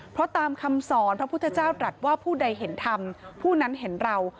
เพราะตามคำสอนพระพุทธเจ้าตรัสว่าผู้ใดเห็นธรรมผู้นั้นเห็นเรา